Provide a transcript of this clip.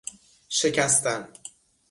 شکستن